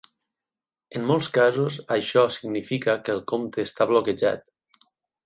En molts casos, això significa que el compte esta bloquejat.